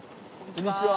こんにちは。